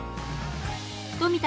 富田